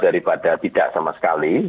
daripada tidak sama sekali